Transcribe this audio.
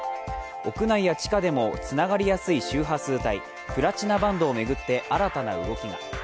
屋内や地下でもつながりやすい周波数帯、プラチナバンドを巡って新たな動きが。